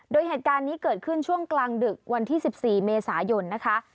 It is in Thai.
โดยเหตุการณ์นี้เกิดขึ้นช่วงกลางดึกวันที่๑๔เมษายนนะคะ